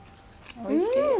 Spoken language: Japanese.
おいしい。